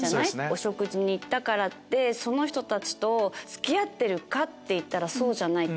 お食事に行ったからってその人たちと付き合ってるかっていったらそうじゃない。